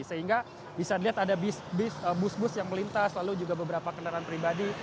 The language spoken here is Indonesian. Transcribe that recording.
sehingga bisa dilihat ada bus bus yang melintas lalu juga beberapa kendaraan pribadi